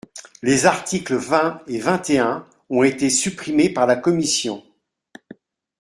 Les articles vingt et vingt et un ont été supprimés par la commission.